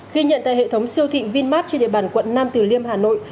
ghi nhận tại hệ thống siêu thị vinmart trên địa bàn quận nam từ liêm hà nội